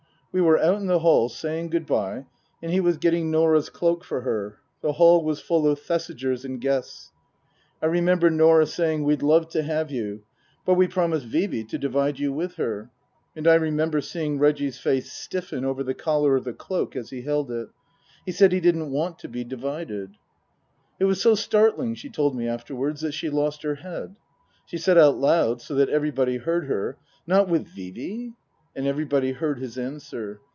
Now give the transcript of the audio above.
We were out in the hall saying good bye, and he was getting Norah's cloak for her. The hall was full of Thesigers and guests. I remember Norah saying, " We'd love to have you. But we promised Vee Vee to divide you with her." And I remember seeing Reggie's face stiffen over the collar of the cloak as he held it. He said he didn't want to be divided. It was so startling, she told me afterwards, that she lost her head. She said out loud, so that everybody heard her, " Not with Vee Vee ?" And everybody heard his answer.